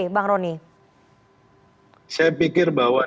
hai saya pikir mengapaifaada pr levane hood mp tiga df fij leafread